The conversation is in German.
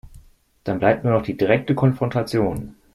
Dann bleibt nur noch die direkte Konfrontation.